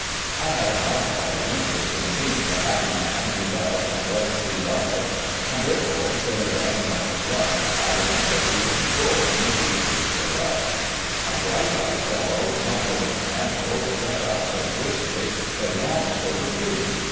I had a melancholy interest in seeing the happy man who loved and was beloved ; and therefore, instead of driving off at once, I remained at the Inn door when the fugitives drove up. A bright AN EXPLANATION 113 eyed fellow, muffled in a mantle, jumped out so briskly that he almost overthrew me.